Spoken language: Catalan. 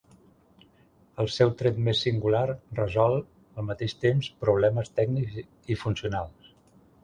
El seu tret més singular resol, al mateix temps, problemes tècnics i funcionals.